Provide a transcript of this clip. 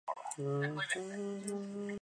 这便是阿拉木图糖果厂的开端。